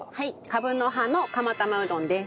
カブの葉の釜玉うどんです。